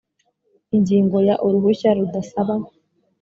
Ingingo ya uruhushya rudasaba